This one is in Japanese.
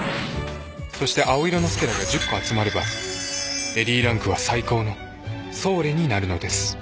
そして青色の星が１０個集まれば淑女ランクは最高の太陽になるのです。